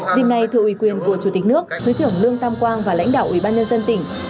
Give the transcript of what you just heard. dìm nay thừa ủy quyền của chủ tịch nước thứ trưởng lương tam quang và lãnh đạo ủy ban nhân dân tỉnh